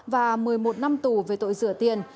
và một mươi một năm tù về tội rửa tiền